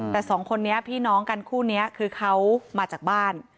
แต่สองคนนี้พี่น้องกันคู่นี้คือเขามาจากบ้าน